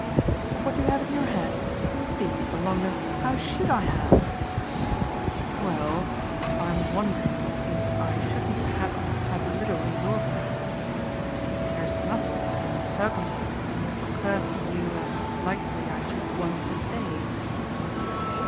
"Of what you have in your head? Dear Mr. Longdon, how SHOULD I have?" "Well, I'm wondering if I shouldn't perhaps have a little in your place. There's nothing that in the circumstances occurs to you as likely I should want to say?"